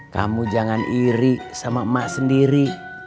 kamu jangan iri sama emak sendiri